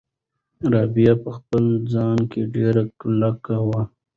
رابعه په خپل ځای کې ډېره کلکه وه.